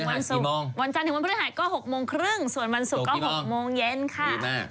นะคะวันจันทร์ถึงวันศุกร์วันจันทร์ถึงวันศุกร์หายก็หกโมงครึ่งส่วนวันศุกร์ก็หกโมงเย็นค่ะดีมาก